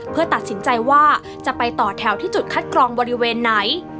เพื่อตัดสินใจว่าจะไปต่อแถวที่จุดคัดกรองบริเวณไหน